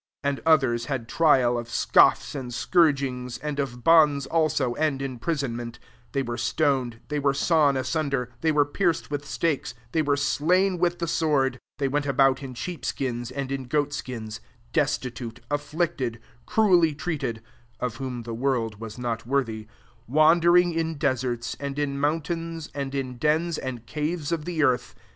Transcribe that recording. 36 And others had trial of scoffs and scourgtngs ; and of bonds also and imprisonment: 37 they were stoned, they were sawn asunder, they were pierc ed with stakes, they were slain with the sword : they went about in sheep skins and in goat skins, destitute, afflicted, cruel ly^ treated, 38 (of whom the worid was not worthy,) wander ing in deserts, and in moun tains, and in dens and caves of the earth.